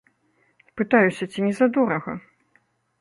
Пытаюся, ці не задорага?